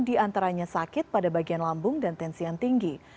diantaranya sakit pada bagian lambung dan tensi yang tinggi